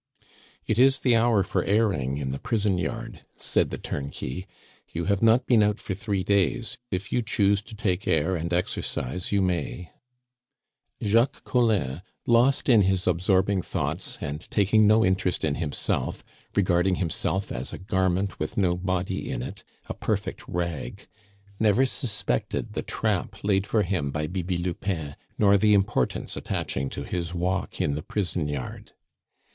"It is the hour for airing in the prison yard," said the turnkey; "you have not been out for three days; if you choose to take air and exercise, you may." Jacques Collin, lost in his absorbing thoughts, and taking no interest in himself, regarding himself as a garment with no body in it, a perfect rag, never suspected the trap laid for him by Bibi Lupin, nor the importance attaching to his walk in the prison yard.